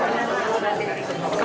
tapi hari ini adalah hari baru